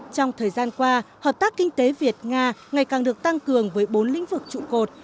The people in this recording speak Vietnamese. trong thời gian qua hợp tác kinh tế việt nga ngày càng được tăng cường với bốn lĩnh vực trụ cột